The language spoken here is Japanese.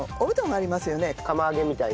釜揚げみたいな？